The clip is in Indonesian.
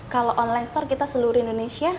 kalau online store kita seluruh indonesia